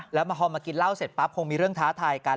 แล้วพอมากินเหล้าเสร็จปั๊บคงมีเรื่องท้าทายกัน